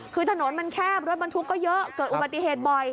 คือถนนมันแคบรถบรรทุกก็เยอะเกิดอุบัติเหตุบ่อย